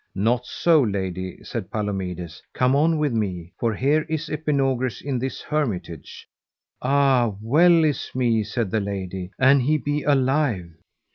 Not so, lady, said Palomides, come on with me, for here is Epinogris in this hermitage. Ah! well is me, said the lady, an he be alive.